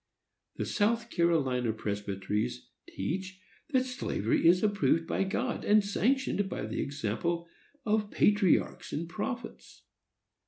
The South Carolina presbyteries teach that slavery is approved by God, and sanctioned by the example of patriarchs and prophets.